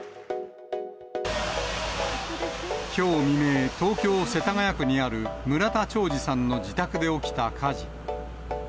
きょう未明、東京・世田谷区にある村田兆治さんの自宅で起きた火事。